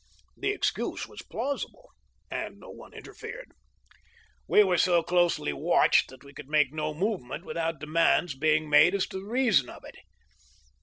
The excuse was plausible, and no one interfered. We were so closely watched that we could make no movement without demands being made as to the reason of it.